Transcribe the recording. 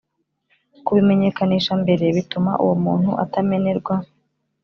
kubimenyekanisha mbere bituma uwo muntu atamenerwa